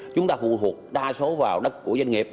chúng ta phụ thuộc đa số vào đất của doanh nghiệp